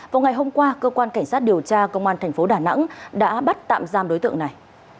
vào ngày hôm qua cơ quan cảnh sát điều tra công an thành phố đà nẵng đã bắt tạm giam đối tượng này